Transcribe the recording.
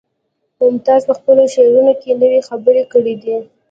ممتاز په خپلو شعرونو کې نوې خبرې کړي دي